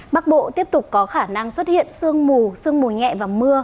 bắc bộ tiếp tục có khả năng xuất hiện sương mù sương mù nhẹ và mưa